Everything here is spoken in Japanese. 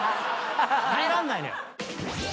耐えらんないのよ。